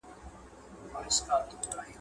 د دفن چارې له ستونزو سره مخ شوې.